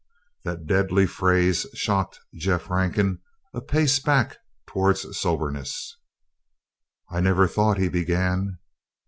The deadly phrase shocked Jeff Rankin a pace back toward soberness. "I never thought," he began.